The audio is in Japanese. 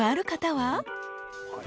はい。